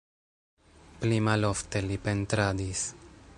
Pli malofte li pentradis.